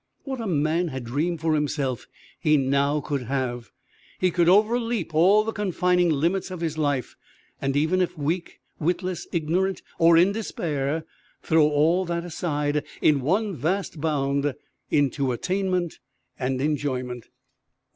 What a man had dreamed for himself he now could have. He could overleap all the confining limits of his life, and even if weak, witless, ignorant or in despair, throw all that aside in one vast bound into attainment and enjoyment.